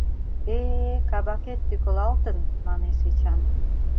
— Э-э, кабакет тӱкылалтын, — манеш Эчан.